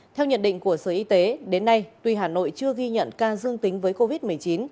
theo nhận định của sở y tế đến nay tuy hà nội chưa ghi nhận ca dương tính